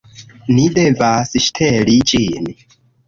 Ni devas ŝteli ĝin